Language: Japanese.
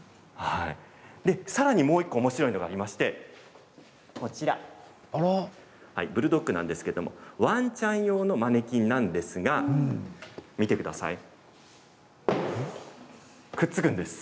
さらにもう１個おもしろいのがありましてこちらブルドッグなんですけれどワンちゃん用のマネキンなんですが見てくださいくっつくんです。